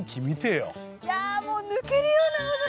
いやもう抜けるような青空。